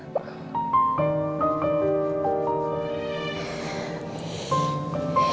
ibu rasa sungguh